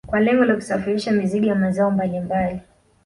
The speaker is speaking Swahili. Kwa lengo la kusafirisha mizigo ya mazao mbalimbali